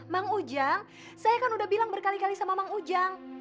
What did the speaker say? bang ujang saya kan udah bilang berkali kali sama bang ujang